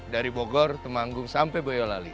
dari bogor temanggung sampai boyolali